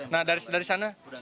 nah dari sana